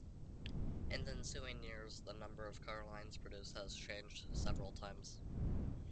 In the ensuing years, the number of car lines produced has changed several times.